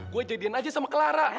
gue jadiin aja sama clara